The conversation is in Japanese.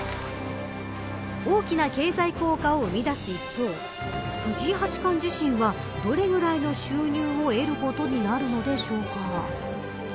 大きな経済効果を生み出す一方藤井八冠自身はどれぐらいの収入を得ることになるのでしょうか。